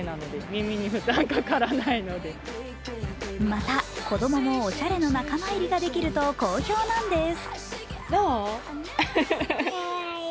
また、子供もおしゃれの仲間入りができると好評なんです。